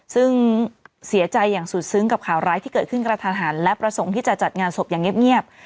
ซึ่งเสียใจอย่างสุดซึ้งกับข่าวร้ายที่เกิดขึ้นกระทันหันและประสงค์ที่จะจัดงานศพอย่างเงียบ